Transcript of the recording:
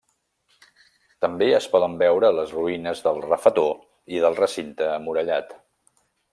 També es poden veure les ruïnes del refetor i del recinte emmurallat.